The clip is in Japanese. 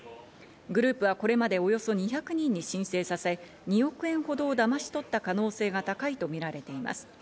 グループはこれまで、およそ２００人に申請させ、２億円ほどをだまし取った可能性が高いとみられています。